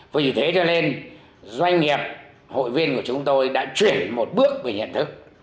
và vì thế cho nên doanh nghiệp hội viên của chúng tôi đã chuyển một bước về nhận thức